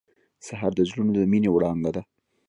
سهار د زړونو د مینې وړانګه ده.